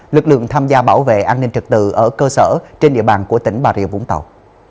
lực lượng tham gia bảo vệ an ninh trật tự ở cơ sở trên địa bàn của tỉnh bà rịa vũng tàu